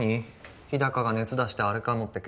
日高が熱出してアレかもって件？